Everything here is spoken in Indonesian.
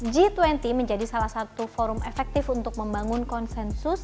g dua puluh menjadi salah satu forum efektif untuk membangun konsensus